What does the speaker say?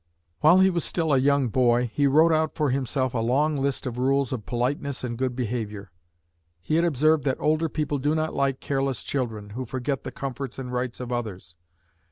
While he was still a young boy, he wrote out for himself a long list of rules of politeness and good behavior. He had observed that older people do not like careless children, who forget the comforts and rights of others.